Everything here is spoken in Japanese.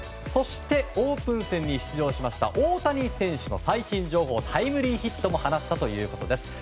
そしてオープン戦に出場しました大谷選手の最新情報タイムリーヒットも放ったということです。